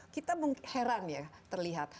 kita heran ya terlihat